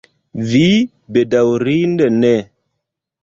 Vi, bedaŭrinde, ne.